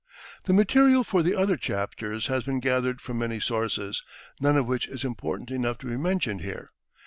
The material for the other chapters has been gathered from many sources, none of which is important enough to be mentioned here.